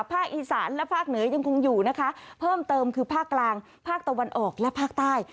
ภาคอีสานและภาคเหนือยังคงอยู่นะคะเพิ่มเติมคือภาคกลางภาคตะวันออกและภาคใต้